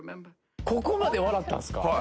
ここまで笑ったんですか？